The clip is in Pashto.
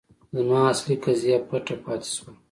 زما اصلي قضیه پټه پاتې شوه.